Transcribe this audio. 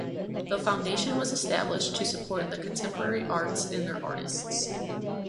The Foundation was established to support the contemporary arts and their artists.